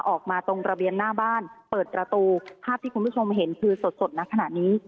ออกมาตรงระเบียงหน้าบ้านเปิดประตูภาพที่คุณผู้ชมเห็นคือสดสดณขณะนี้